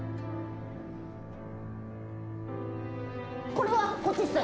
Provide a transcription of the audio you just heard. これはこっちっす。